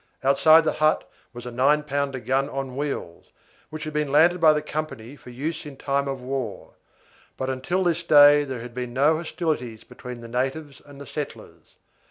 Outside the hut was a nine pounder gun on wheels, which had been landed by the company for use in time of war; but until this day there had been no hostilities between the natives and the settlers.